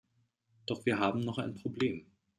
Doch wir haben noch ein Problem.